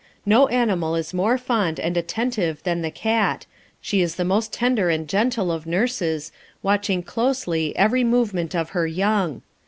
No animal is more fond and attentive than the cat; she is the most tender and gentle of nurses, watching closely every movement of her young.